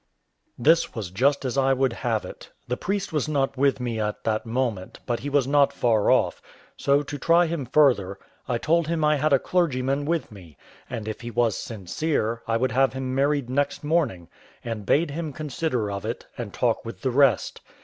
This was just as I would have it. The priest was not with me at that moment, but he was not far off; so to try him further, I told him I had a clergyman with me, and, if he was sincere, I would have him married next morning, and bade him consider of it, and talk with the rest.